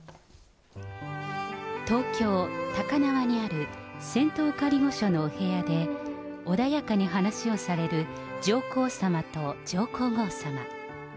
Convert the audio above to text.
東京・高輪にある仙洞仮御所のお部屋で、穏やかに話をされる上皇さまと上皇后さま。